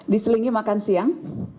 diselingi makan siang